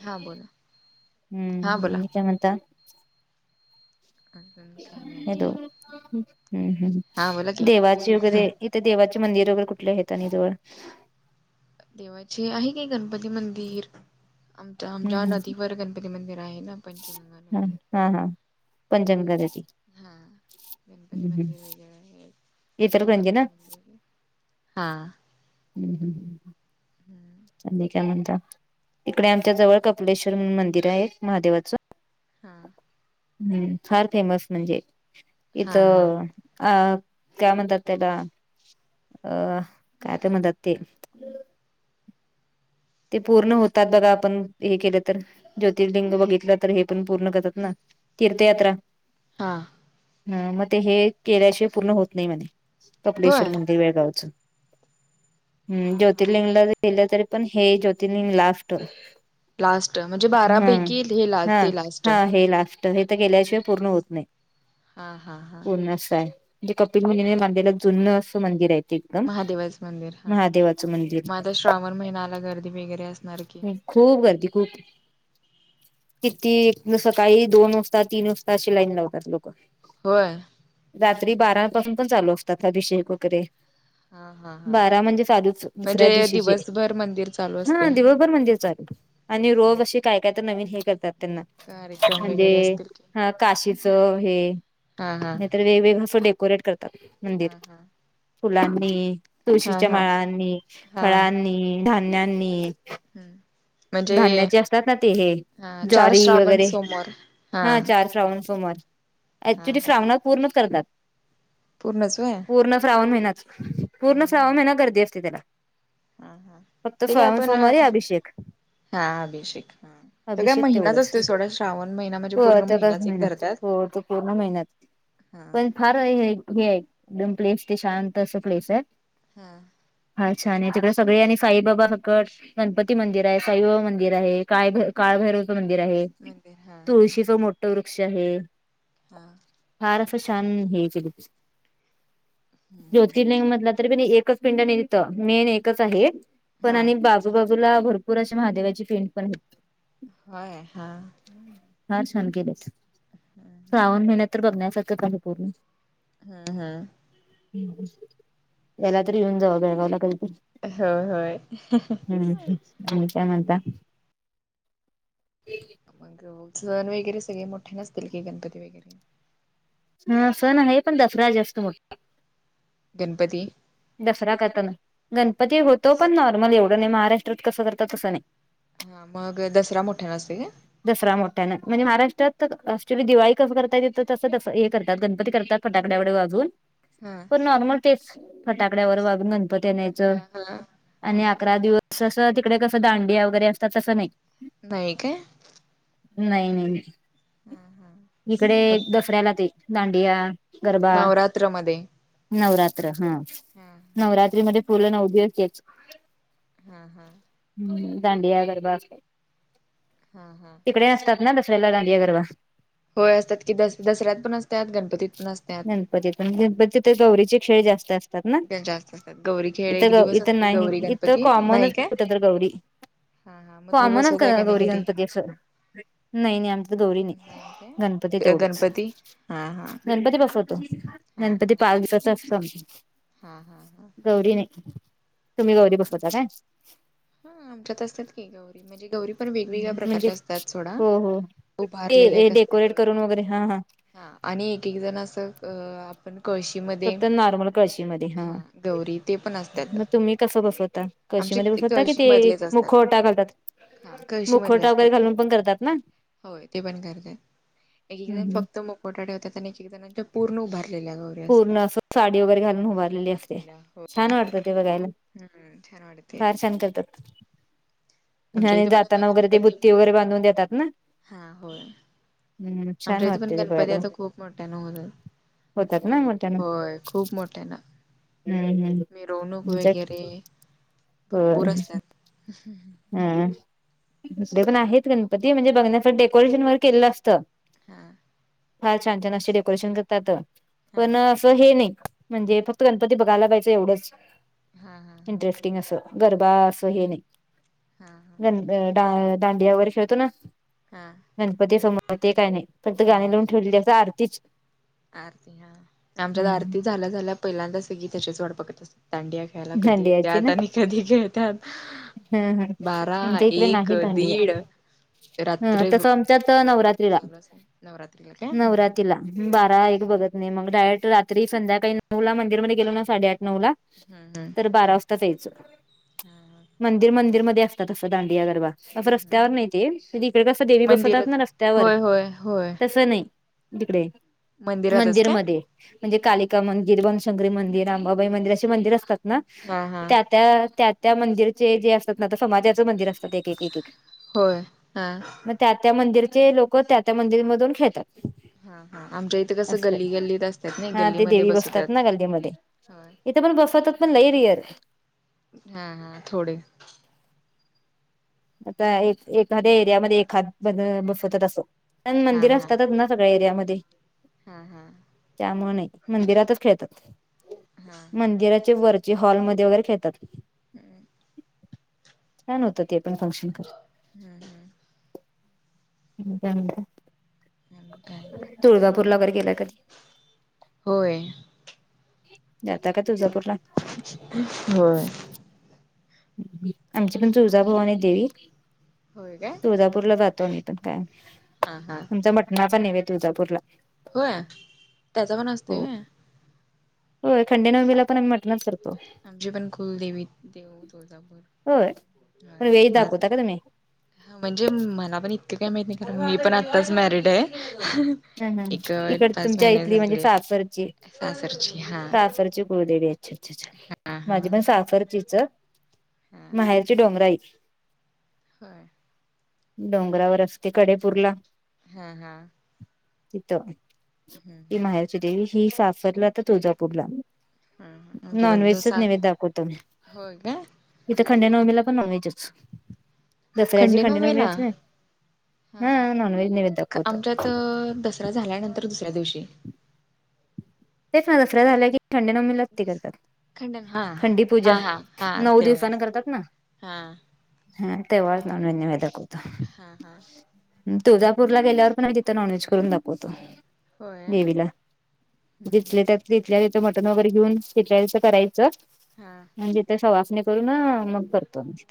हा बोला हा बोला आणि काय म्हणता? अजून काही नाही बघा हॅलो, हम्म, हम्, हा बोला की देवाची वगैरे ते देवाचे मंदिर वगैरे कुठले आहेेत आणि जवळ? देवाचे आहे की गणपती मंदिर. आमच्या-आमच्या हम्म नदीवर गणपती मंदिर आहे ना पंचगंगा नदीवर. हां, हां पंचगंगा नदी हम्म हा, गणपती मंदिर वगैरे आहे. इचलकरंजी ना मारुती मंदीर आहे, हा. हम्- हम. हम्म, आणि काय म्हणता, इकडे आमच्या जवळ कपिलेश्वर म्हणुन मंदिर आहे महादेवाचं. हा हम्म, फार फेमस म्हणजे इथ हा हा आ काय म्हतात त्याला, अ हं काय तर म्हणतात ते ते पूर्ण होतात बघा आपण हे केलं तर, ज्योतिर्लिंग बघितलं तर हे पण पूर्ण करतात ना. तीर्थ यात्रा. हा, हं म ते हे केल्याशिवाय पूर्ण होत नाही म्हणे, कपिलेश्वर होय म्हणून वेगवेगळ्या गावचं, हा हम् हा ज्योतिर्लिंग हा ला गेल्या तरी पण हे ज्योतिलिंग लास्ट होतं. लास्ट म्हणजे बारा होय, पैकी हे ला हा- ते लास्ट हा, हे लास्ट त हे तर गेल्याशिवाय पूर्ण होत नाही, हा हा हा पूर्ण असायं म्हणजे कपिल मुनीने मांडलेल पुर्ण असं मंदिर आहे ते. एकदम महादेवाच मंदिर हा, महादेवाचं मंदिर. म आता श्रावण महिना आला गर्दी वगैरे असणार की? खूप गर्दी खूप. किती सकाळी दोन वाजता, तीन वाजता अशी लाईन लावतात लोकं. होय, रात्री बारापासून पण चालू असतात, अभिषेक वगैरे. हा हा हा बारा म्हणजे चालुचं, म्हणजे दुसऱ्या दिवशीचे दिवसभर मंदिर चालु हा दिवसभर मंदिर चालू आणि रोज हम्म अशी काय- काय तर नवीन हे करतात त्यांना कार्यक्रम म्हणजे वगैरे असतील की हं काशीच हे हा हा नाही तर वेगवेगळं असं डेकोरेट करतात, मंदिर. हा हा फुलांनी, हा तुळशीच्या हा माळांनी, हा फळांनी, धान्यांनी. हम्म. म्हणजे धान्याचे असतात ना ते हे हा चार ज्वारी श्रावण वगैरे सोमवार हा चार श्रावण सोमवार. हा ऍक्च्युली हा शश्रावणात पूर्ण करतात. पूर्णच वय. पूर्ण श्रावण महिना पूर्ण श्रावण महिना हम्म गर्दी असते त्याला. हा हा फक्त ते काय श्रावण आपण सोमवारी अभिषेक. हा अभिषेक हा. तर काय अभिषेक महिनाच तेवढंच असतोय सोडा श्रावण महिना म्हणजे हो पूर्ण तर महिनाच एक महिन्यात धरतात. हो तो पूर्ण महिन्यात हा. पण फार हे आहे एकदम प्लेस ते शांत असं प्लेस आहे. हा. हा छान आहे तिकडे सगळे आणि साईबाबा सकड गणपती मंदिर आहे. साईबाबा मंदिर आहे, काळ काळ भैरवच मंदिर आहे मंदिर हा हा तुळशीचा मोठ ट वृक्ष आहे. हा. फार असं छान हे केले ज्योतिर्लिंग मधलं तरी बी नी एकच पिंड नाही तिथं मेन एकच आहे पण हा आणि बाजू-बाजूला भर पुरश महादेवाची फेंट पण हे. होय हा. हार छान गेलच श्रावण महिन्यात तर बघण्यासारख काय हे पूर्ण. हा हा. हम्म हम्म याला तरी येऊन जावा बेळगावला कधीतरी. होय होय. हम्म हम्म आणि काय म्हणता? मग सण वगैरे सगळे मोठे नसतील की गणपती वगैरे? हा असंण आहे पण दसरा जास्त मो गणपती दसरा करताना गणपती होतो पण नॉर्मल एवढं नाही महाराष्ट्रात कसं करतात तसं नाही. हा मग दसरा मोठ्या नसते का? दसरा मोठ्याना म्हणजे महाराष्ट्रात असली दिवाळी कसं करता येत तसं दस हे करतात गणपती करतात. फटाकडे एवडे वाजून. हा. नॉर्मल ते फटाकड्यावर वागून गणपतीआणयच हा हा आणि हा अकरा दिवस ससं तिकडे कसं दांडिया वगैरे असतात तसं नाही नाही काय नाही नाही इकडे मग दसऱ्याला ते. दांडिया, गरबा, नवरात्रमध्ये नवरात्र हा. नवरात्रीमध्ये पूर्ण नऊ दिवस तेच. हा हा. हम्म दांडया गरबा असते. हा हा. तिकडे असतात ना दसऱ्याला, दांडिया, गरबा. होय असत्यात की दस दसऱ्यात पण असत्यात गणपतीत पण असत्यात. कधी पण गणपती ते गौरीचे खेळ जास्त अस असतात ना जास्त असतात गौरी खेळ इथं एक गं, दिवस इथं असते नाही गौरी इथं गणपती कॉमनच नाही काय कुठं तर गौरी. हा हा मग हो तुम्ही आम्हा नात बसवताय का करत नाही गौरी घरी गणपती असं नाही, नाही आमच्यात गौरी नाही. काय गणपती हा हा हा हा [unintelligible] पावसाचं असतं. हा.. हा गौरी नाही, तुम्हीं हा गौरी हा बसवता काय? हा आमच्यात असतात की, गौरी म्हणजे गौरी पण वेगवेगळ्या म्हणजे प्रकारच्या असतात सोडा. हो, हो.. उभारलेल्या ते एक असत्या डेकोरेट गौरी करून वगैरे हा 'हा आणि एक -एक जण असं अ पण कळशीमध्ये फक्त नॉर्मल कळशीमध्ये हा गौरी ते पण असत्यात. मग तुम्ही कसं बसवता आमच्या कळशीमध्ये इथे बसवता कि ते कळशीमधलेच असतात. मुखवटा घालतात हा कळशी मधले मुखवटा असत्यात, वगैरे घालून पण करतात ना होय ते पण करत्यात. एक-एक जण हम्म फक्त मुखवटा ठेवत्यात आणि एक -एक जणांच्या पूर्ण उभारलेल्या गौरी. असतात. पूर्ण असं साडी वगैरे घालून उभारलेली असते, छान वाटतं ते बघायला. हूं.. छान वाटतंय. फार छान करतात. आमच्या आणि इथं बसतात जाताना वगैरे ते गणपती बुत्ती वगैरे बांधून देतात ना. हा होय. हम्म आमच्या छान इथं पण वाटते ते गणपती बघायला असं खूप मोठ्यांनं होतात, ना मोठ्यानं होय खूप मोठ्यांनं. हम्म हम्म. मिरवणूक वगैरे भरपूर असत्यात. हुं अ.. दुसरे पण आहेत गणपती म्हणजे बघण्यासाठी डेकोरेशन वगैरे केलेलं असतं. हा. फार छान- छान अशे डेकोरेशन करतात पण, हा पण हे नाही म्हणजे फक्त गणपती बघायला पाहिजे एवढंच हा हा हा इंटरेस्टिंग असं. गरबा असं हे नाही. हा. हा.. गण दांडिया वगैरे खेळतो ना, हा गणपती समोर ते काय नाही, फक्त गाणी नाही लावून काय ठेवलेली असतात आरतीच. आरती हा, आमच्यात हम्म आरती झाल्या- झाल्या पहिल्यांदा सगळी त्याचीच वाट बघत असत्यात दांडिया. खेळाला कधी दांडियाची त्यात ना ह आणि कधी खेळत्यात. ह.. हा.. आमच्या इकडे एक नाही दांडीया. दीड ह रात्री तसं आमच्यात नवरात्रीला, चालू असते नवरात्रीला काय हम्म नवरातीला. बारा- एक बघत नाही, मग डायरेक्ट रात्री संध्याकाळी नऊ ला मंदिर मध्ये गेलो ना साडेआठ नऊला, ह.. हं.. हअ हम. मंदिर मंदिरमध्ये असतात असं दांडिया गरबा. असं हम्म रस्त्यावर नाही ते, इकडे कसं देवी बसवतात ना मंदिरात रस्त्यावर होय होय होय तसं नाही. तिकडे मंदिरातच काय मंदिरमध्ये. म्हणजे कालिका मंदिर, बनशंकरी मंदिर, अंबाबाई मंदिर असे मंदिर असतात ना हा हा त्यात. त्या त्या- त्या मंदिरचे जे असतात ना, समाजाचं मंदिर असतात एक एकेक-एकेक होय हा मग त्या -त्या मंदिरचे लोकं त्या-त्या मंदिर मधून खेळतात. हा हा आमच्या इथे कसं असतय गल्ली गल्लीत असतात ना हा ते गल्लीमध्ये देवी बसवतात. बसतात ना गल्लीमध्ये. होय. इथे पण बसवतात पण लई रेअर आहे. हा, हा. थोडे. आता एक एखाद्या एरियामध्ये एखादं बसवतात असं पण हा मंदिर हा असतातच ना, सगळ्या एरियामध्ये. हा हा. त्यामुळं नाही मंदिरातच खेळतात हा मंदिराचे वर जे हॉलमध्ये वगैरे खेळतात. हम्म छान होतं ते पण फंक्शन खरं हम्म हम्म आणि काय नाही. तुळजापूर ला वैगेरे गेलाय कधी. होय. जाता का तुळजापूरला? होय. आमची पण तुळजाभवानी देवी होय काय तुळजा पुरला जातो आमी पण कायम. हा हा. आमचा मटनाचा नैवेद्य तुळजापूरला. हो त्याचा पण असतोय होय? होयं खंडे नवमीला पण आम्ही म आमची पण कुलदेवी देव तुळजापूर. होय पण होय वेळी माझ दाखवता का तुम्ही? म्हणजे मला पण इतकं काय माहित नाही कारण मी पण आत्ताच मॅरिड हाय. ह ह इकड तुमच्या इथली म्हणजे सासरची सासरची हा सासरची कुळदेवी हाय. हा हा माझी पण सासंरचीच हा माहेरची डोंगराई. हा डोंगरावर असते कडेपूरला. हा हा तिथं हम्म ती हम्म माहेर ची देेवी ही सासरला आता तुळजापूरला हम्म म्हणजे नॉन बंधू व्हेजच सांग निवेद दाखवतात. होय का इथं खंडे नवमीला पण नॉनव्हेजचं. दसऱ्याची खंडे नवमीच खंडेनोमेला असते हा नॉनव्हेज निवेद दाखवतो. आमच्यात दसरा झाल्यानंतर दुसऱ्या दिवशी तेचं ना दसरा झाला की खंडे नवमीला क्ती करतात खंडन हा खंडी पूजा हा हा हा नऊ दिवसानं तेव्हाच करतात ना हा हा तेव्हाच नॉनव्हेज निवेद दाखवतो. हा हा अ तुळजापूरला गेल्यावर पण आम्ही तिथं नॉनव्हेज करून दाखवतो. होय हम्म जिथल्या त्या हम्म जिथल्या जिथं मटन वगैरे घेऊन तिथल्या तिथं करायचं हा म्हणजे ते सवासणी करून मग करतो आम्ही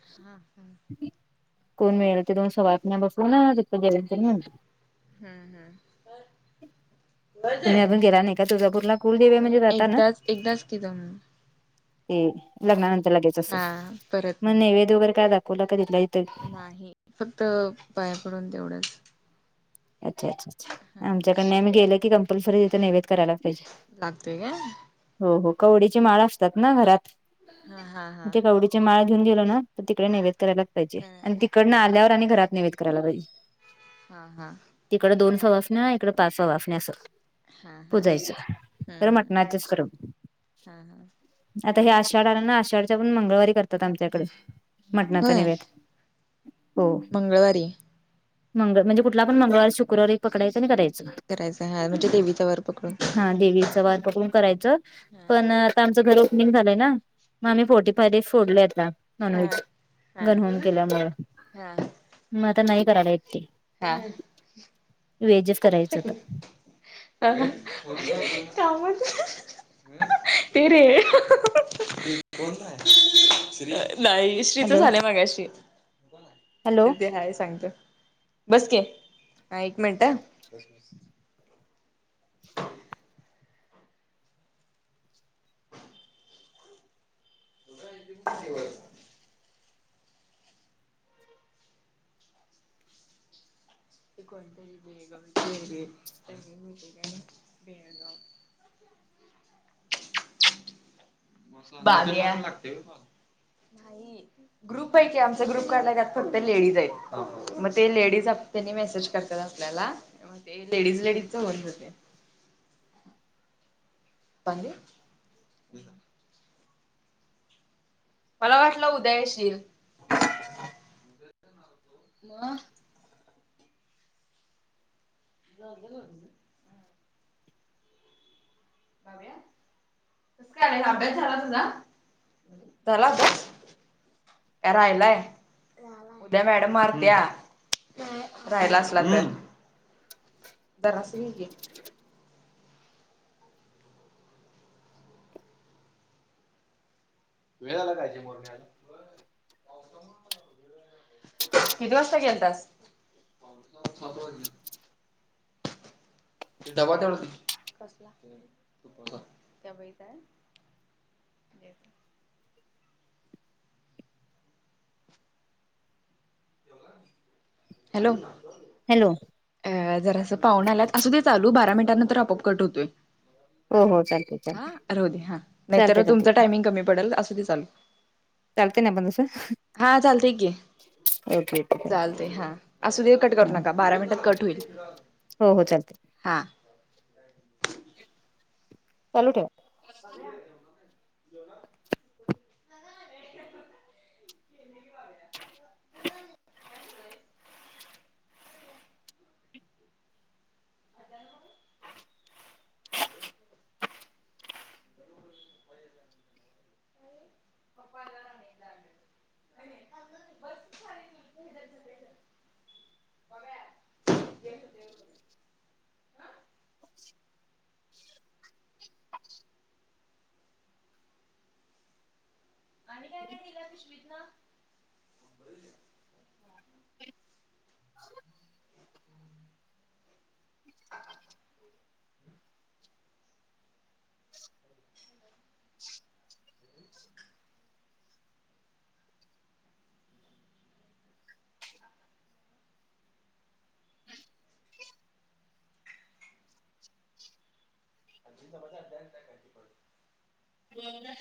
हा हम्म कोण मिळेल तें दोन सवासण्या बसवून तिथं जेवण तेन घालतो. हम्म हम्म तुम्ही अजून गेला नाही का तुळजापूरला कुलदेवी म्हणजे जाता ना एकदाच एकदाच कि जाऊन ते लग्नानंतर लगेचंच हा असं परत मग नाही नैवेद वगैरे काय दाखवला काय तिथल्या तिथं? नाही फक्त पाया पडून तेवढंच अच्छा अच्छा अच्छा हा आमच्याकडं नाही गेलं की कंपल्सरी तिथं नैवेद्य करायलाचं पाहिजे. लागतोय का हो हो कवडीची माळ असत्यात ना घरात हा हा म हा ते कवडी ची माळ घेऊन गेलो ना तर तिकडे नैवेद करायलाच पाहिजे काय आणि तिकडनं होय आल्यावर आणि घरात नैवेद्य करायला पाहिजे. हा हा तिकड दोन सवासण्या इकड पाच सवासण्या असं हा हा हम्म पुजायचं. तर हम्म मटनाचच कर हा हा आता हे आषाढ आलं ना आषाढच्या पण मंगळवारी करतात आमच्याकडे मटणाचा होय निवेद. हो. मंगळवारी मंग म्हणजे कुठला पण मंगळवार शुक्रवार एक पकडायचं आणि करायचं. करायच, हा म्हणजे देवीचा वार पकडून. चा वार पकडून करायच, हा पण आता आमचं घर ओपनिंग झालंय ना. मग आम्ही फोर्टी फाय डेज सोडलेय आता. हा नॉनव्हेज हा गनहम केल्यामुळं. हा मग आता नाही करायला येत ते. हा. व्हेजच अह करायचं आता त्यामुळं ते ते रे [unintelligible] नाही. श्रीच हॅलो झालंय मगाशी. हॅलो अगदी हाय सांगतो. बस कि. हा एक मिनट हं. [inaudible] [unintelligible] भात घ्या. ग्रुप आहे की आमचा ग्रुप काढलाय त्यात फक्त लेडीज आहेत. मग ते लेडीजात त्यांनी मेसेज करतात आपल्याला मग ते लेडीज लेडीज च होऊन जातं. पानी देऊ? मला वाटलं उदया येशील. म? [unintelligible] अव्या? कसं कायरे अभ्यास झाला तुझा? झाला अभ्यास? काय राहिलाय? उद्या मॅडम मारत्या. राहिला असला तर. जरासं घे की. [inaudible] वेळाला कायचे मोरण्या अजुन? किती वाजता गेलतास? ते डबा तेवढा दे की. तुपाचा. त्या वहीत हाय देते. हॅलो, हॅलो, अ जरासं पाहुणं आल्यात. असुदे ते चालू बारा मिनटानंतर आपोआप कट होतोय. हो हो चालते हा चालते राहुदे हा. चालते नाहीतर चालते तुमच टायमिंग कमी पडेल, असुदे चालू. चालतंय ना पण तसं? हा, चालतंय की. Okay okay. चालतय हां. असू देव कट हा करू नका. बारा मिनिटात कट होईल. हो हो चालते. हां. चालू ठेव. [inaudible] [inaudible] [unintelligible] [inaudible] आणि काय काय दिलं पिशवीतनं [inaudible] हॅलो आजी चपात्या आता घेतल्या काय ती करूण जेवण झालं